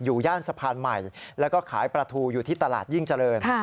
ย่านสะพานใหม่แล้วก็ขายปลาทูอยู่ที่ตลาดยิ่งเจริญ